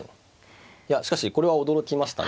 いやしかしこれは驚きましたね。